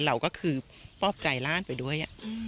เราก็คือปลอบใจร่านไปด้วย